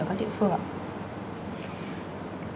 ở các địa phương ạ